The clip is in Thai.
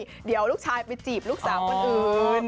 เดี๋ยวลูกชายไปจีบลูกสาวคนอื่น